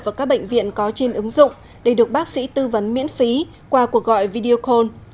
và các bệnh viện có trên ứng dụng để được bác sĩ tư vấn miễn phí qua cuộc gọi video call